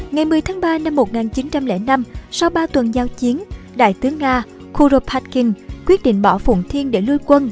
ngày một mươi tháng ba năm một nghìn chín trăm linh năm sau ba tuần giao chiến đại tướng nga kuro patking quyết định bỏ phụng thiên để lưu quân